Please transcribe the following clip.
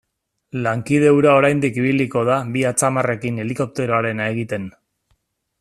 Lankide hura oraindik ibiliko da bi atzamarrekin helikopteroarena egiten.